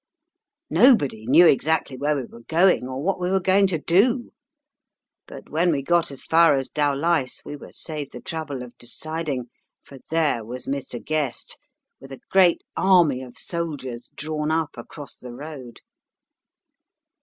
Nobody knew exactly where we were going, or what we were going to do; but when we got as far as Dowlais we were saved the trouble of deciding, for there was Mr. Guest, with a great army of soldiers drawn up across the road.